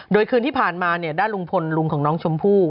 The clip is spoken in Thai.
โดยคืนที่ผ่านมาด้านลุงพลลุงของน้องชมพู่